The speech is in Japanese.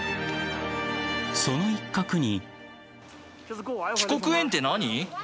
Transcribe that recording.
その一角に。